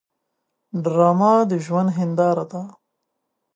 ډرامه د ژوند هنداره ده